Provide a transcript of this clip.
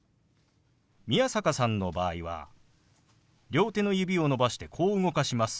宮坂さんの場合は両手の指を伸ばしてこう動かします。